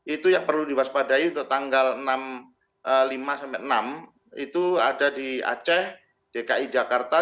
itu yang perlu diwaspadai untuk tanggal lima sampai enam itu ada di aceh dki jakarta